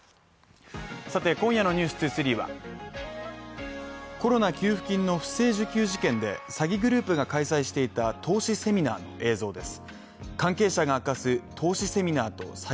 今夜の「ｎｅｗｓ２３」はコロナ給付金の不正受給事件で詐欺グループが開催していた投資セミナーの映像です。